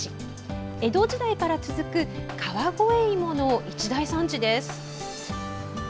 江戸時代から続く川越いもの一大産地です。